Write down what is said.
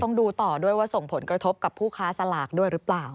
ต้องดูต่อด้วยว่าส่งผลกระทบกับผู้ค้าสลากด้วยหรือเปล่า